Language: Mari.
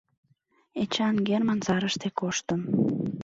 Эчан герман сарыште коштын.